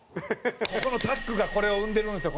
ここのタッグがこれを生んでるんですよ